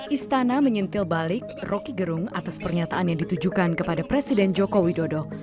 istana menyentil balik rokigerung atas pernyataan yang ditujukan kepada presiden jokowi dodo